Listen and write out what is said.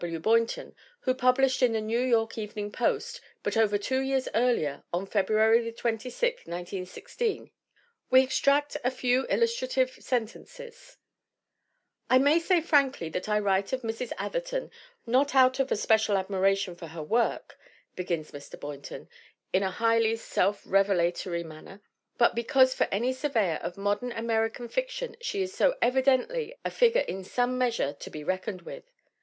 W. Boynton, also published in the New York Evening Post but over two years earlier, on February 26, 1916. We extract a few illustrative sentences : "I may say frankly that I write of Mrs. Atherton not out of a special admiration for her work," begins Mr. Boynton, in a highly self revelatory manner, "but because for any surveyor of modern American fic tion she is so evidently a figure in some measure 'to be reckoned with